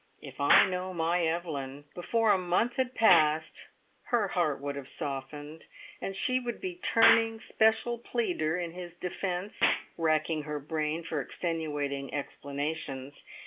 If I know my Evelyn, before a month had passed her heart would have softened, and she would be turning special pleader in his defence, racking her brain for extenuating explanations.